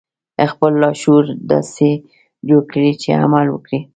خپل لاشعور داسې جوړ کړئ چې عمل وکړي